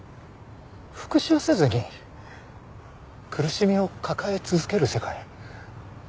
復讐せずに苦しみを抱え続ける世界。